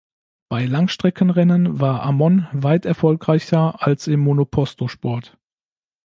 Bei Langstreckenrennen war Amon weit erfolgreicher als im Monopostosport.